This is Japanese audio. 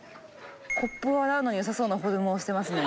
コップを洗うのによさそうなフォルムをしてますね。